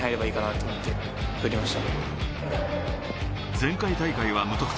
前回大会は無得点。